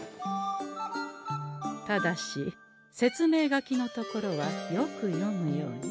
ただし説明書きのところはよく読むように。